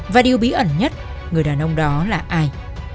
và điều bí ẩn nhất người đàn ông đó là ai